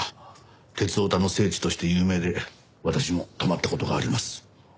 鉄オタの聖地として有名で私も泊まった事があります。